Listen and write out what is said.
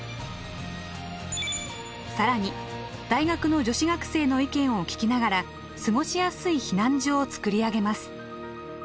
更に大学の女子学生の意見を聞きながら過ごしやすい避難所を作り上げます。